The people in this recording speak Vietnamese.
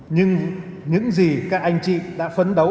nhưng những gì các anh chị đã phấn đấu